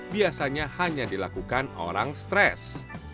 biasanya hanya dilakukan orang stres